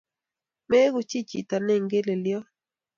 Meigu chi chito ne ingelelyot.